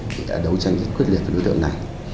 thì đã đấu tranh rất quyết liệt với đối tượng này